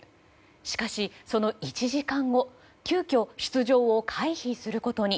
しかし、その１時間後急きょ出場を回避することに。